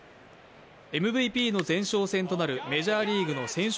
ＭＶＰの前哨戦となるメジャーリーブの選手